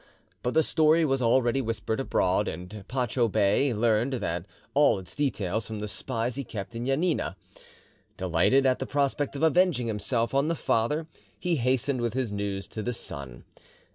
But the story was already whispered abroad, and Pacho Bey learnt all its details from the spies he kept in Janina. Delighted at the prospect of avenging himself on the father, he hastened with his news to the son.